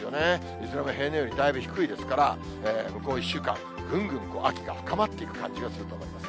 いずれも平年よりだいぶ低いですから、向こう１週間、ぐんぐん秋が深まっていく感じがすると思います。